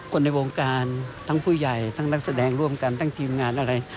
คนในวงการทั้งผู้ใหญ่ทั้งนักแสดงร่วมกันทั้งทีมงานอะไร